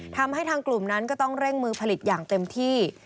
ทำให้ทางกลุ่มนั้นก็ต้องเร่งมือผลิตอย่างเต็มที่